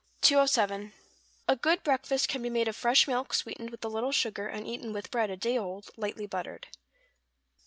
207. =A good Breakfast= can be made of fresh milk sweetened with a little sugar and eaten with bread a day old, lightly buttered.